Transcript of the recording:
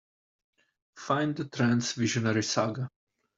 Find the Trance Visionary saga